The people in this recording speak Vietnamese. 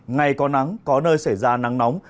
ngày có nắng có nơi xảy ra nắng nóng